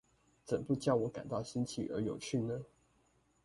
怎不教我感到新奇而有趣呢？